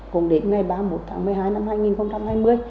cũng đến ngày ba mươi một tháng một mươi hai năm hai nghìn hai mươi